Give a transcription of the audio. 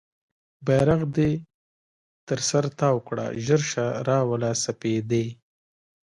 بیرغ دې تر سر تاو کړه ژر شه راوله سپیدې